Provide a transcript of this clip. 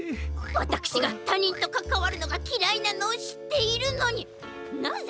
わたくしがたにんとかかわるのがきらいなのをしっているのになぜ！？